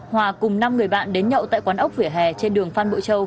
hòa cùng năm người bạn đến nhậu tại quán ốc vỉa hè trên đường phan bội châu